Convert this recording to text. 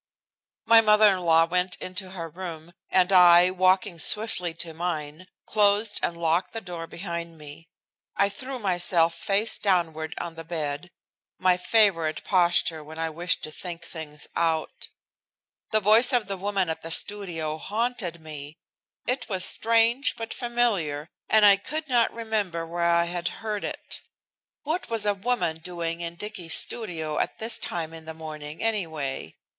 My mother in law went into her room, and I, walking swiftly to mine, closed and locked the door behind me. I threw myself face downward on the bed, my favorite posture when I wished to think things out. The voice of the woman at the studio haunted me. It was strange, but familiar, and I could not remember where I had heard it. What was a woman doing in Dicky's studio at this time in the morning, anyway?